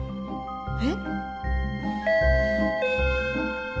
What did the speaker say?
えっ？